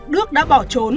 đức đã bỏ trốn